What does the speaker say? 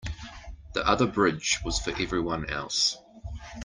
The other bridge was for everyone else.